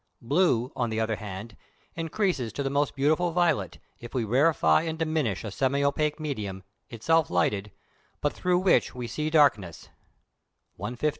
Blue, on the other hand, increases to the most beautiful violet, if we rarefy and diminish a semi opaque medium, itself lighted, but through which we see darkness (150, 151).